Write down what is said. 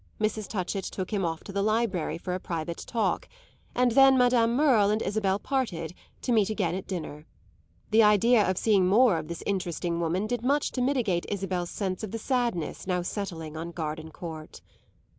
Mrs. Touchett took him off to the library for a private talk; and then Madame Merle and Isabel parted, to meet again at dinner. The idea of seeing more of this interesting woman did much to mitigate Isabel's sense of the sadness now settling on Gardencourt.